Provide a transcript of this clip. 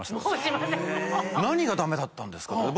何が駄目だったんですか